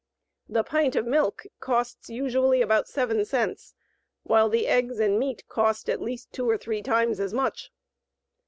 The pint of milk costs usually about 7 cents, while the eggs and meat cost at least two or three times as much.